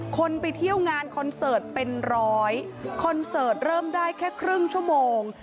คนไปเที่ยวงานคอนเสิร์ตเป็นร้อยคอนเสิร์ตเริ่มได้แค่ครึ่งชั่วโมง